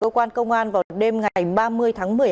cơ quan công an vào đêm ngày ba mươi tháng một mươi một